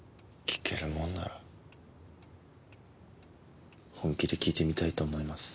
聞けるもんなら本気で聞いてみたいと思います。